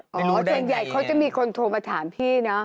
จริงอ๋อเฉยเขาจะมีคนโทรมาถามพี่นะ